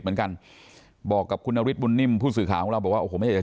เหมือนกันบอกกับคุณนฤทธิ์บุญนิ่มผู้สื่อข่าวบอกว่าไม่จะ